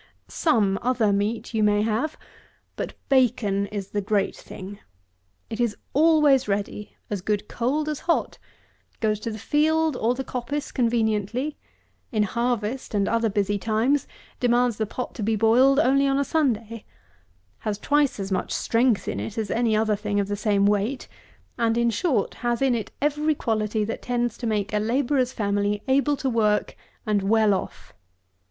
Some other meat you may have; but, bacon is the great thing. It is always ready; as good cold as hot; goes to the field or the coppice conveniently; in harvest, and other busy times, demands the pot to be boiled only on a Sunday; has twice as much strength in it as any other thing of the same weight; and in short, has in it every quality that tends to make a labourer's family able to work and well off.